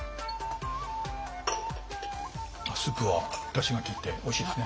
スープはだしが利いておいしいですね。